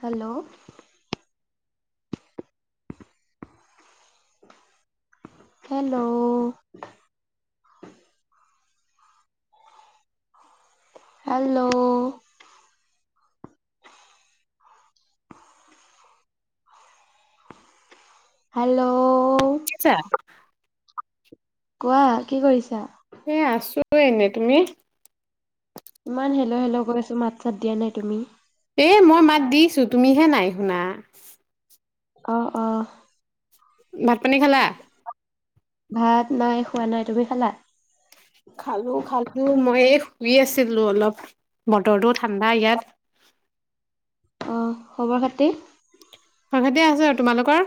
Hello. Hello. Hello. Hello. আচ্ছা। কোৱা কি কৰিছা? এ আছো এনে তুমি? ইমান হেলো হেল গৈ আছো মাত চাত দিয়া নাই তুমি। এ মই মাত দিছো তুমিহে নাই শুনা। আহ অ। ভাত পানী খালা? ভাত নাই খোৱা নাই তুমি খালা? খালো খালো উ মই এই শুই আছিলো অলপ, বতৰটো ঠাণ্ডা ইয়াত। অ খবৰ খাতি? ভালে আছে, তোমালোকৰ?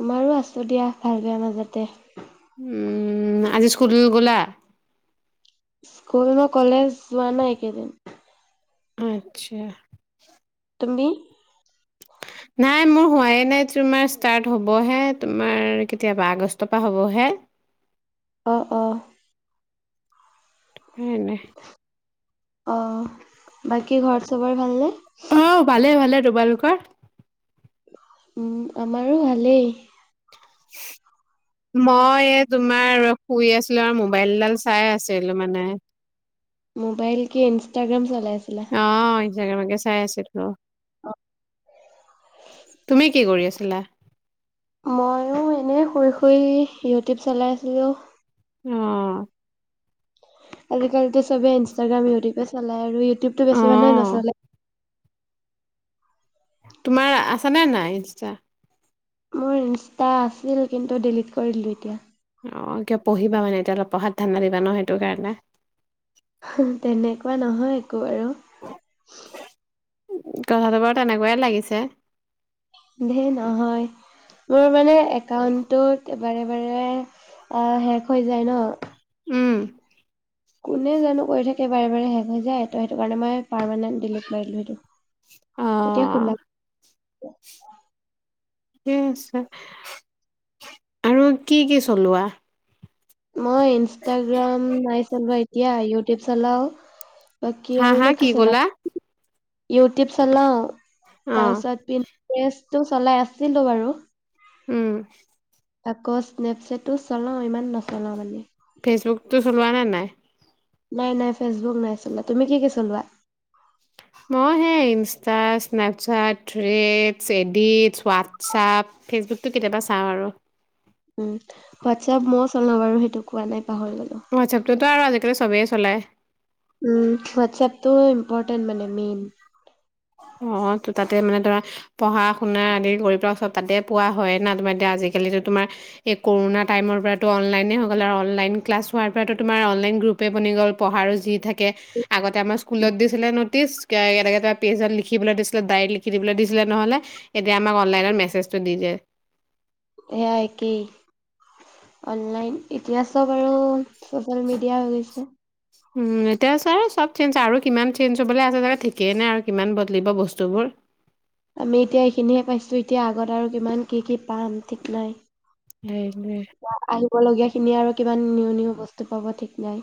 আমাৰো আছো দিয়া ভাল বেয়া মাজতে। উম আজি স্কুল গলা? স্কুল ন কলেজ যোৱা নাই একেইদিন। আচ্ছা। তুমি? নাই মোৰ হোৱাই নাই তোমাৰ ষ্টাৰ্ট হ'বহে, তোমাৰ কেতিয়াবা আগষ্টৰ পৰা হ'বহে। অ অ। হেনে। অ বাকী ঘৰত চবৰে ভালনে? আহ ভালে ভালে তোমালোকৰ? উম আমাৰো ভালেই। মই তোমাৰ শুই আছিলো আৰু মোবাইলডাল চাই আছিলো মানে মোবাইল কি ইনষ্টাগ্ৰাম চলাই আছিলা অ জাগ মাগে চাই আছিলো, তুমি কি কৰি আছিলা? ময়ো এনেই শুই শুই ইউটিউব চলাইছিলোঁ। অ। আজিকালিটো চবে ইনষ্টটাগ্ৰাম, ইউিউবে চা চলে আৰু ইউটিউবটো বেছি মানুহে অ', নচলে তোমাৰ আছে নে নাই ইনষ্টা? মোৰ ইনষ্টা আছিল কিন্তু ডিলিট কৰি দলোঁ এতিয়া। অ কিয় পঢ়িবা মানে এতিয়া অলপ পঢ়াত ধান্ডা দিবা ন, সেইটো কাৰণে। তেনেকুৱা নহয় একো আৰু। কথাটো বাৰু তেনেকুৱাই লাগিছে। ধেই নহয় মোৰ মানে একাউন্ট টোত বাৰে বাৰে, আ শেষ হৈ যায় ন। উম। কোনে জানো কৰি থাকে বাৰে বাৰে শেষ হৈ যায়, ত সেইটো কাৰণে মই পাৰমানেণ্ট ডিলিট মিলো সেইটো। এতিয়া অ', খোলা ঠিক আছে, আৰু কি কি চলোৱা? মই ইনষ্টাগ্ৰাম নাই চলোৱা এতিয়া, ইও টিপ চলাও হা হা, কি কলা? ইউটউব চলাউ তাৰ অ', পিছত পিন্টাৰেষ্ট টো চলাই আছিলো বাৰু। উম। আকৌ স্নেপচেটো চলাওঁ, ইমান নচলাও মানে। ফেচবুকতটো চলোৱা নে নাই? নাই নাই ফেচবুক নাই চলা। তুমি কি কি চলোৱা? মই হে Insta Snapchat, Threads, edits, WhatsApp, ফেচবুকটো কেতিয়াবা চাওঁ আৰু। উম পাহৰি গ'লো। অ আচ্ছা, তইতো আৰু আজি চবেই চলাই উম, হোৱাটছএপটো ইম্পৰটেণ্ট মানে মেইন। অহ, ত-তাতে মানে তোমাৰ পঢ়া শুনা আদি কৰি পেলে চব তাতে পোৱা হয় না, তোমাৰ এতিয়া আজিকালি তোমাৰ এই কৰোণনা টাইমৰ পৰা অনলাইনে হৈ গল আৰু অনলাইন ক্লাছ হোৱাৰ পৰা তো তোমাৰ অনলাইন গ্ৰুপে বনি গল পঢ়াৰো যি থাকে আগতে আমাৰ স্কুলত দিছিলে ন'টিচ এ কেনেকে তাত পেজত লিখিবলৈ দিছিলে, দাইৰিত লিখিবলৈ দিছিলে নহলে এতিয়া আমাৰ অনলাইনত মেছেজ টো দি দিয়ে। সেয়াই একেই অনলাইন, এতিয়া চব আৰু চচিয়েল মিডিয়া হৈ গৈছে। উম, এতিয়া ছাৰে চব চেঞ্জ আৰু কিমান চেঞ্জ হ'বলৈ আছে ঠিকেই নাই আৰু কিমান বদলিব বস্তুবোৰ। আমি এতিয়া এইখিনিহে পাইছোঁ এতিয়া আগত আৰু কিমান কি কি পাম ঠিক নাই। সেইটোৱে আহিব লগীয়া সি খিনি আৰু কিমান নিউ নিউ বস্তু পাব ঠিক নাই।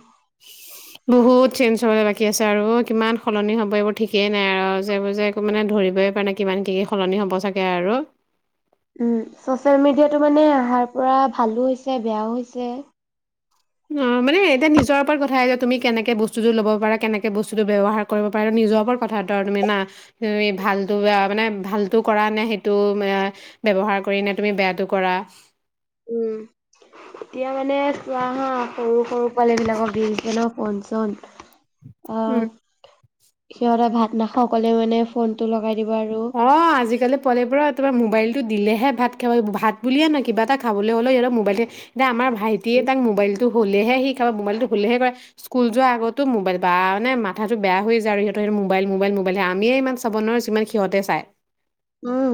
বহুত চেঞ্জ হ'বলৈ বাকী আছে আৰু কিমান সলনি হ'ব এইবোৰ ঠিকেই নাই আৰু যে এইবোৰ যে একো মানে ধৰিবই পাৰে নাই কিমান কি - কি সলনি হ'ব চাগে আৰু। উম, ছচিয়েল মিডিয়াটো মানে অহাৰ পৰা ভালো হৈছে বেয়াও হৈছে। উম, মানে এতিয়া নিজৰ ওপৰত কথা যে তুমি কেনেকে বস্তু ল'ব পাৰা, কেনেকে বস্তুটো ব্যৱহাৰ কৰিব পাৰা নিজৰ ওপৰত কথা বতৰা তুমি ভাল মানে ভালত কৰা নে সেইটো আহ, ব্যৱহাৰ কৰি নে তুমি বেয়াটো কৰা। উম, এতিয়া মানে চোৱা হা সৰু- সৰু পোৱালী বিলাকক দিছে ন ফন চন। অ। সিহঁতে ভাত নাখাকলে মানে ফোন টো লগাই দিব আৰু অ, আজিকালি পোৱালিবোৰৰ তোমাৰ মোবাইল দিলেহে ভাত খাব ভাত বুলিয়ে নয় কিবা এটা খাবলৈ হলে সিহতৰ মোবাইলতে এতিয়া আমাৰ ভাইটিয়ে তাক মোবাইলটো হলেহে সি খাব মোবলতটো হলেহে কৰে, স্কুল যোৱা আগতো মোবাইল বা মে মাথাটো বেয়া হৈ য আৰু সিহঁৰ সহত মোবাইল, মোবাইল, মোবাইল আমে ইমান চাব নোৱাৰিচো। সিহঁতে চায়। উম,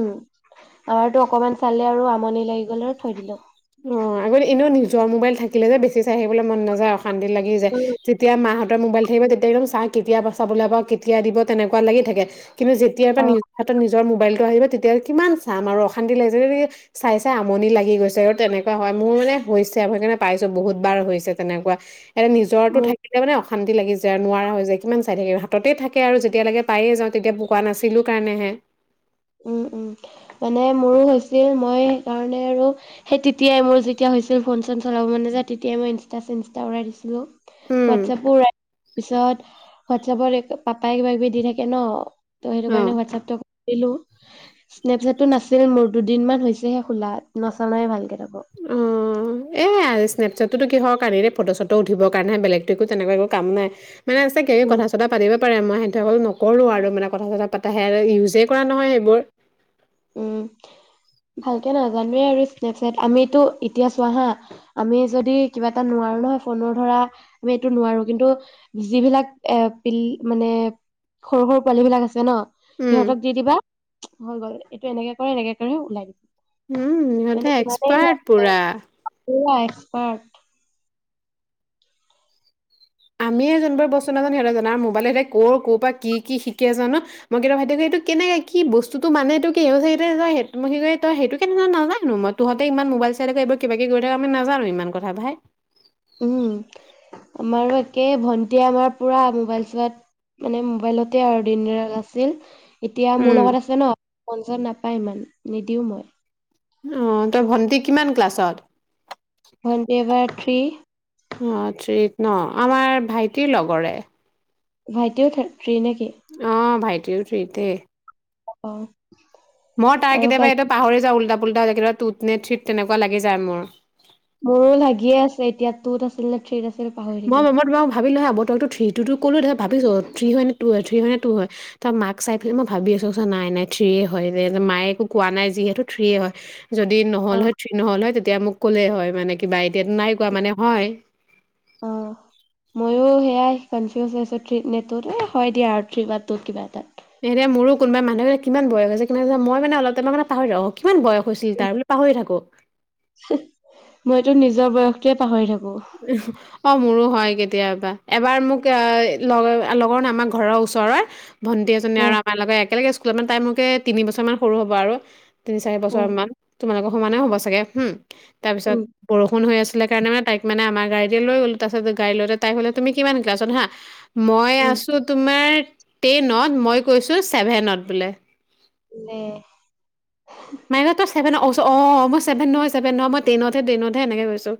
আমাৰতো অকমান চালে আৰু আমনি লাগি গল আৰু থৈ দিলো। অ', আগতে এনেও নিজৰ মোবাইল থাকিলে যে বেছি চাই আহিবলৈ মন নাযায়। কান্দি লাগি যায় উম যেতিয়া মাহত মোবাইল থাকিবা তেতিয়া একদম চাই কেতিয়া চাবলৈ পা কেতিয়া দিব তেনেকুৱা লাগি থাকে। কিন্তু যেতিয়াৰ বা অ' নিজ [unintelligible] যৰ মোবাইল টো আহিব তেতিয়া কিমান চাম আৰু অশান্তি লাগিছে চাই চাই আমনি লাগি গৈছে। তেনেকুৱা হয় মোৰ মানে হৈছে সেইকাৰণে পাইছো বহুত বাৰ হৈছে তেনেকুৱা। এ', নিজৰটো মোৰ থাকিলে মানে অশান্তি লাগি যায় আৰু নোৱাৰা হৈ যায়। যে কিমান চাই থাকিম হাততে থাকে আৰু যেতিয়ালৈকে পায়ে যাওঁ তেতিয়া পোকোৱা নাছিলো কাৰণে হে। উম - উম মানে মোৰো হৈছিল মই সেইকাৰণে আৰু সেই তেতিয়াই মোৰ যেতিয়া হৈছিল ফোন চন চলাব মানে যে তেতিয়াই মই ইনষ্টা চিনষ্টা উৰাই দিছিলো। উম হোৱাটছএপ [unintelligible] তাৰ পিছত হোৱাটছএপত পাপাই কিবা কিবি দি থাকে ন। তো সেইটো অঁ কাৰণ হোৱাটছএপটো হেল্ল'? স্নেপচেটটো নাছিল মোৰ দুদিন মান হৈছেহে খোলা, নচলাও ভালকে। তাকো। উম, এ, আচ স্নেপচাটতো কিহৰ কাৰণে এনে ফটো চটো উঠিব কাৰণে বেলেগতো একো তেনেকোৱা এক কাম নাই। মানে ইছাকে উম, কথা চথা পাতিব। পাৰে, মই সেইটোৱে কলো নকৰো আৰু মানে কথা চতা পাতা নহয় সেইবোৰ উম, ভালকে নাজানোৱে আৰু স্নেপচেট আমিটো এতিয়া চোৱা হা, আমি যদি কিবা এটা নোৱাৰো নহয় ফোনৰ ধৰা আমি এইটো নোৱাৰো কিন্তু যিবিলাক এ প মানে সৰু সৰু পোৱালী বিলাক আছে ন উম সিহঁতক দি দিবা হয় গৈ। এইটো এনেকে কৰে এনেকে কৰি ওলাই দিব। উম, মানে সিহঁতে ইমানেই এক্সপাৰ্ট সিহঁতে পুৰা পুৰা এক্সপাৰট। আমিয়ে যোনবোৰ বস্তু নাজানো সিহঁতে জান আৰু মোবাইল সিহঁতে ক' পৰা কি শিকে জানো, মই কে ভাইটি সোধো কেনেকে কি বস্তুটো মানে কি তই সেইটো কেনে নাজানো মই তহঁতে ইমান মোবাইল চাই লৈক এইবোৰ কিবা কিব কৰি থাক আমি নাজানো ইমান কথা ভাই। উম, আমাৰো একে ভন্টীয়ে আমাৰ পুৰা মোবাইল চোৱাত মানে মোবাইলতে আৰু দিনল আছিল। এতিয়া মোৰ উম লগত আছে ন ফোন চন নাপায় ইমান নিদিওঁ মই। অ' তই ভন্টি কিমান ক্লাছত? ভণ্টি এইবাৰ থ্ৰী। অ' থ্ৰিত ন! আমাৰ ভাইটিৰ লগৰে। ভাইটিও থা অ' ভাইট টিও থ্ৰি তে। অ'! মই তাৰ আৰু কেতিয়াবা কালি এইটো পাহৰি যাওঁ উল্টা পুষ্পা হৈ যায়, কেতিয়াবা টুটনে থ্ৰীত তেনেকুৱা লাগি যায় মোৰ। মোৰো লাগিয়ে আছে এতিয়া, টুত আছিল নে থ্ৰীত আছিল পাহৰি মই থাকিলোঁ। মই তোমাক ভাবিলোঁ হা, মই তোমাক তো থ্ৰীটো তো ক'লো, তাৰপিছত ভাবিছোঁ, থ্ৰী হয় নে টু হয়, থ্ৰী হয় নে টু হয়। তাৰ পৰা মাক চাই পেলাই মই ভাবি আছোঁ। নাই নাই থ্ৰিয়ে হয়, যে মায়ে একো কোৱা নাই যিহেতু থ্ৰীয়ে হয়। যদি অ নহ'ল হয়, থ্ৰী নহ'ল হয় তিয়া মোক ক'লে হয় মানে কিবা। এতিয়াতো নাই কোৱা মানে, হয়। অ' ময়ো সেয়াই কনফিউজ হৈ আছো থ্ৰী নে টুত। এ হয় দিয়া আৰু থ্ৰী বা টুত কিবা এটাত। এ, এতিয়া মোৰোঁ কোনোবাই মানুহ ভাবে কিমান বয়স হৈছে। কি মই মানে, অলপ টাইমাৰ মানে পাহৰি থাকোঁ, কিমান বয়স হৈছিল তাৰ বোলে, পাহৰি থাকোঁ। মইতটো নিজৰ বয়সটোৱে পাহৰি থাকোঁ। উঁহ! অ মোৰো হয় কেতিয়াবা। এবাৰ মোক এ লগ, লগৰ নহয় আমাৰ ঘৰৰ ওচৰৰে ভণ্টি এজনী আৰু উম আমাৰ লগত একেলগে স্কুলত মানে তাই মোতকে তিনি বছৰ মান সৰু হ'ব আৰু, তিনি চাৰি বছৰ উম মান। তোমালোকৰ সমানে হ'ব চাগে, হম! তাৰ পিছত উম বৰষুণ হৈ আছ দিলে কাৰণে মানে তাইক মানে আমাৰ গাড়ীতে লৈ গ'লো, তাৰপিছত গাড়ী লওতে তাই ক'লে, তুমি কিমান ক্লাছত হা, মই উম আছোঁ তোমাৰ টেনত, মই কৈছোঁ ছেভেনত বোলে। [unintelligible] মাই গড তই ছেভেনত! মই ক‌ইছোঁ, অঁ! মই ছেভেন নহয়, ছেভেন নহয়, মই টেনতহে, টেনতহে, এনেকৈ কৈছোঁ।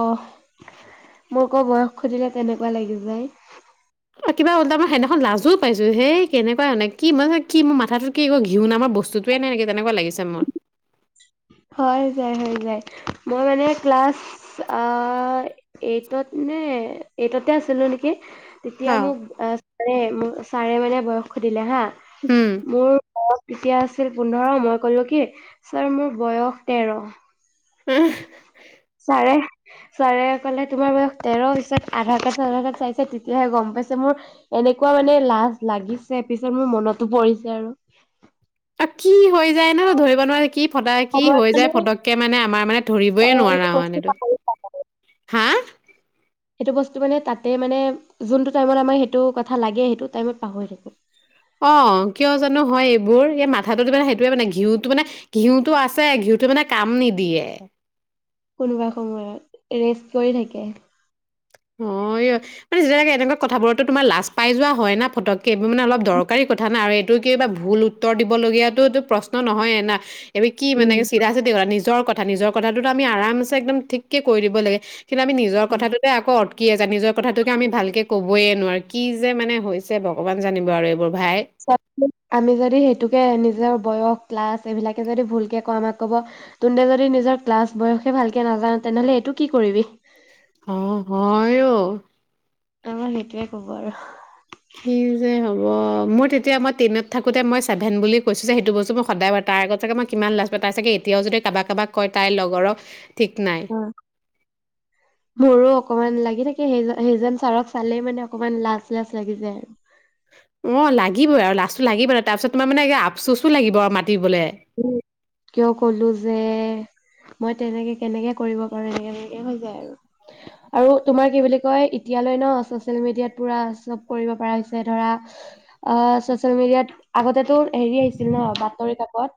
অ' মোৰ‌ অক বয়স সুধিলে তেনেকুৱা লাগি যায়। কিবা ওল্টাই মই সেদিনাখন, [unintelligible] লাজোঁ পাইছো হেই, কেনেকুৱা মানে, কি মই, কি মোৰ মাথাটোত কিশ ঘিউ নামাৰ বস্তুতোৱে নাই নেকি তেনেকুৱা লাগিছে মোৰ। হৈ যায়, হৈ যায়, মই মানে ক্লাছ অ' এইটত নে, এইটতে আছিলোঁ নেকি! তেতিয়া হা। মোক, [unintelligible] চাৰে মানে বয়স সুধিলে হাঁ। উম! এতিয়া আছিল পোন্ধৰ, মই কলো কি ছাৰ মোৰ বয়স তেৰ। উম! ছাৰে, ছাৰে ক'লে, তোমাৰ বয়স তেৰ‌ হৈছে? পিছত আধাৰ কাৰ্ড চধাৰ কাৰ্ড চাইছে, তেতিয়াহে গম পাইছে, মোৰ এনেকুৱা মানে লাজ লাগিছে, পিছত মোৰ মনতো পৰিছে আৰু। আ কি হৈ যায় ন ধৰিব নোৱাৰি, কি ফটা, কি সময়ত হৈ যায় মানে ফটককে মানে, আমাৰ মানে, অ ধৰিবইে নোৱাৰা সেইটো আৰু বস্তু মানে এইটো। পাহৰি হা? সেইটো বস্তু মানে তাতে মানে যোনটো টাইমত আমাৰ সেইটো কথা লাগে সেইটো টাইমত পাহৰি থাকো। অহ, কিয় জানো হয় মোৰ এই মাথাটো মানে সেইটোৱে মানে ঘিউটো মানে ঘিউটো আছে, ঘিউটো মানে কাম নিদিয়ে। কোনোবা সময়ত ৰেষ্ট কৰি থাকে। অহ ' মানে যেতিয়াকে এনেকুৱা কথাবোৰততো তোমাৰ লাজ পাই যোৱা হয় না ফটককে এইবোৰ মানে অলপ দৰকাৰী কথা না আৰু এইটো কিবা ভুল উত্তৰ দিবলগীয়াটোটো প্ৰশ্ন নহয়না। এইটো কি মানে উম, চিধা চিধি কথা নিজ নিজৰ কথা-নিজৰ কথাটো আমি আৰামচে একদম ঠিক কয় দিব লাগে। কিন্তু আমি নিজৰ কথাটোতে কত কি আছে নিজৰ কথাটোকে আমি ভালকে কবয়ে নোৱাৰো কি যে মানে হৈছে ভগৱান জানিব আৰু এইবোৰ। ভাই [unintelligible] আমি যদি সেইটোকে নিজৰ বয়স। ক্লাছ এইবিলাকে যদি ভুলকে কও আমাক কব তোনতে যদি নিজৰ ক্লাছ বয়সে ভালকৈ নাযানা তেনেহলে এইটো কি কৰিবি। অহ' হয় অহ আমাক সেইটোযৱে কব আৰু। কিযে হব মোৰ তেতিয়া মই টেনত থাকোতে মই ছেভেন বুলি কৈছো যে সেইটো বস্তু মই সদায় তাৰ আগত চাগে মই কিমান লাজ পাইছো, তাই চাগে এতিয়াও যদি ক কাবাক কাবাক কয় তাই লগৰক। ঠিক নাই অহ' মোৰো। অকমান লাগি থাকে সেই সেইজন ছাৰক চালেই মানে অকণমান লাজ-লাজ লাগি যায়। অহ' লাগিবই আৰু লাজটো লাগিব তাৰপিছত তোমাৰ মানে আফচুচ লাগিব আৰু মাত কিয় কলো যে। মই তেনেকে কেনেকে কৰিব পাৰো এনেকে তেনেকে হৈ যায় আৰু আৰু তোমাৰ কি বুলি কয় এতিয়ালৈ ন চচিয়েল মিডিয়াত পুৰা চব কৰিব পৰা হৈছে ধৰা অহ চচিয়েল মিডিয়াত আগতেতো হেৰি আহিছিল ন বাতৰি কাকত।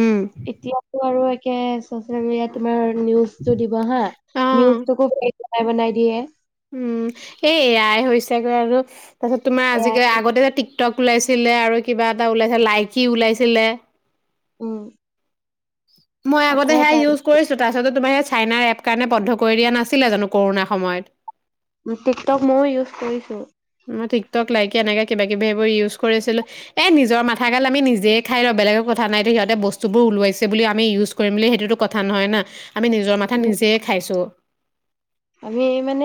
উম এতিয়াতো আৰু কে চচিয়াল মিডিয়আত তোমাৰ নিউজটো দিব হা অঁ নিউজটোকো বনাই-বনাই দিয়ে। উম, এই এয়াই হৈছেগৈ আৰু। তাৰিছত তোমাৰ এয়াই আজিজে আগতে যে টি টক ওলাইছিলে, আৰু কিবা এটা ওলাইছিল, লাইকি ওলাইছিলে। উম, মই আকৌ আগতে সেয়া এটা ইউজ কৰিছো তাৰপিছতে তোমাৰ চাইনাৰ এপ কাৰণে বন্ধ কৰি দিয়া নাছিলে জানো কৰোণা সময়ত। টিকটক ময়ো ইউজ কৰিছো। মই টিক টক লাইকিয় এনেকে কিবা কিবি সবোৰ ইউজ কৰিছিলো এ নিজৰ মাথা গাল আমি নিজেই খাই লও বেলেগৰ কথা নাইতো সিহতে বস্তুবোৰ ওলাইছে বুলি আমি ইউজ কৰিম বুলি সেইটোতো কথা নহয় না। আমি নিজৰ মাথা উ নিজেই খাইছো। আমি মানে।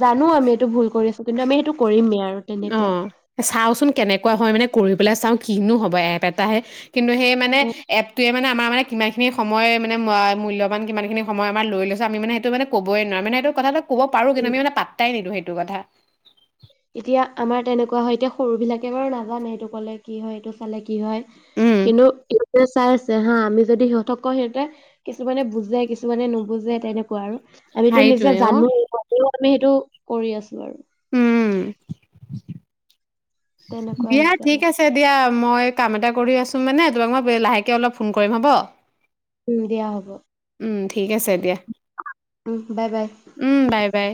জানো আমি এইটো ভুল কৰিছো। কিন্তু আমি সেইটো কৰিমেই আৰু তেনেকুৱা অহ' চাওচোন। কেনেকুৱা হয় মানে কৰি পেলাই চাও কিনো হব এপ এটাহে। কিন্তু সেই মানে উ এপটোৱে মানে আমাৰ মানে কিমান খিনি সময় মানে মূল্যবান, কিমান খিনি সময় আমাৰ লৈ লৈছো আমি মানে সেইটো মানে কবই নোৱাৰো মানে সেইটো কথাটো কব পাৰো কিন্তু আমি মানে পাত্তাই নিদিওঁ সেইটো কথা। এতিয়া আমাৰ তেনেকুৱা হয় এতিয়া সৰুবিলাকে বাৰু নাজানে এইটো ক'লে কি হয়, এইটো চালে কি হয়। উম কিন্তু এই চাই আছে হা আমি যদি সিহঁতক কয় সিহঁতে, কিছুমানে বুজে কিছুমানে নুবুজে তেনেকুৱা আৰু। আমিতো সেইটোৱে নিজে অ জানো আমি সেইটো কৰি আছো আৰু। উম। তেনেকুৱা দিয়া হৈছে ঠিক আমাৰ আছে দিয়া। মই কাম এটা কৰি আছো মানে তোমাক মই লাহেকে অলপ ফোন কৰিম হ'ব। উম দিয়া হ'ব। উম ঠিক আছে, দিয়া। উম বাই বাই। উম বাই বাই